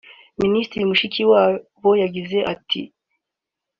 Minisitiri Mushikiwabo yagize ati